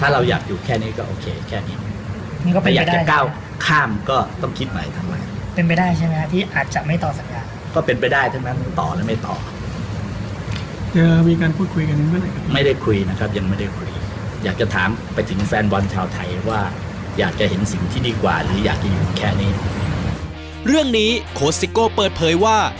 เรื่องนี้โค้ชซิโก้เปิดเผยว่า